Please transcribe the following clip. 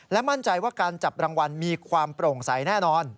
มั่นใจว่าการจับรางวัลมีความโปร่งใสแน่นอน